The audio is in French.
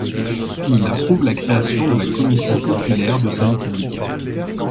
Il approuve la création de la commission populaire de salut public.